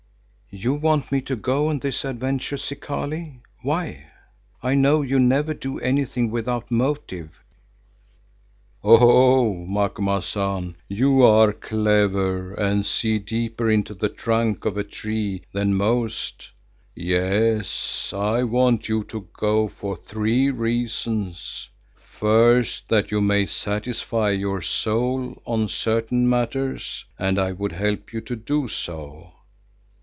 "You want me to go on this adventure, Zikali. Why? I know you never do anything without motive." "Oho! Macumazahn, you are clever and see deeper into the trunk of a tree than most. Yes, I want you to go for three reasons. First, that you may satisfy your soul on certain matters and I would help you to do so.